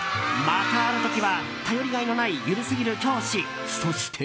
またある時は頼りがいのない緩すぎる教師。